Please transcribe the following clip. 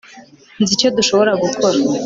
nzi icyo dushobora gukora